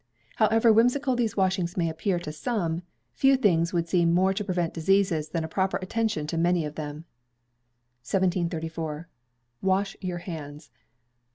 However whimsical these washings may appear to some, few things would seem more to prevent diseases than a proper attention to many of them. 1734. Wash Your Hands.